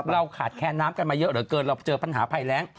เราขาดแคนน้ำกันมาเยอะเหลือเกินเราเจอปัญหาภัยแรง